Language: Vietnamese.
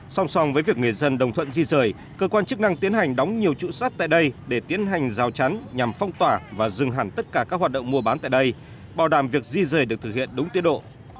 song song với việc người dân đồng thuận di rời cơ quan chức năng tiến hành đóng nhiều trụ sắt tại đây để tiến hành rào chắn nhằm phong tỏa và dừng hẳn tất cả các hoạt động mua bán tại đây bảo đảm việc di rời được thực hiện đúng tiến độ